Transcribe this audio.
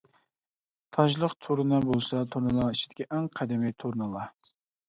تاجلىق تۇرنا بولسا تۇرنىلار ئىچىدىكى ئەڭ قەدىمىي تۇرنىلار.